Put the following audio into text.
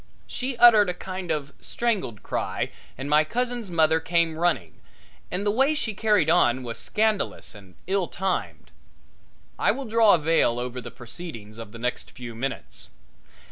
She uttered a kind of a strangled cry and my cousin's mother came running, and the way she carried on was scandalous and ill timed. I will draw a veil over the proceedings of the next few minutes.